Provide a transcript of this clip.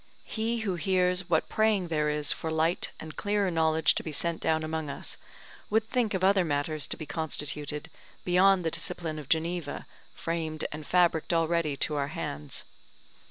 He who hears what praying there is for light and clearer knowledge to be sent down among us, would think of other matters to be constituted beyond the discipline of Geneva, framed and fabricked already to our hands.